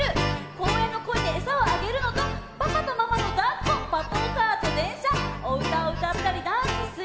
「公園のコイにエサをあげるのとパパとママの抱っこ」「パトカーと電車」「おうたをうたったりダンスする」